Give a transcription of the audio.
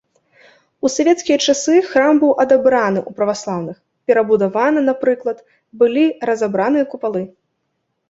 У савецкія часы храм быў адабраны ў праваслаўных, перабудавана, напрыклад, былі разабраныя купалы.